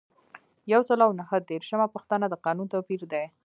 یو سل او نهه دیرشمه پوښتنه د قانون توپیر دی.